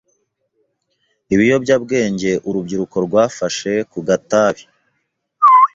Ibiyobyabwenge Urubyiruko rwafashe kugatabi